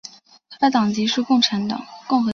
他的党籍是共和党。